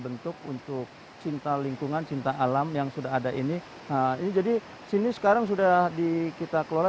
bentuk untuk cinta lingkungan cinta alam yang sudah ada ini jadi sini sekarang sudah di kita kelola